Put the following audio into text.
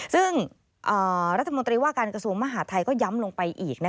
ซึ่งรัฐมนตรีว่าการกระทรวงมหาทัยก็ย้ำลงไปอีก